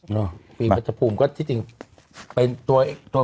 อาณาคตอะไรนี่ฟิล์มอ๋อฟิล์มมันจะภูมิก็ที่จริงเป็นตัวตัว